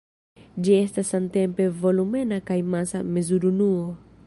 Ĝi estas samtempe volumena kaj masa mezurunuo.